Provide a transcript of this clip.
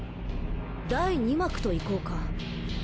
第２幕といこうか